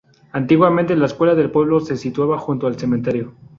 Antiguamente la escuela del pueblo se situaba junto al cementerio.